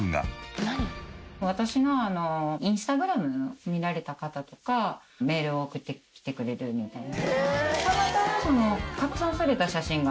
私のＩｎｓｔａｇｒａｍを見られた方とかメールを送ってきてくれるみたいな。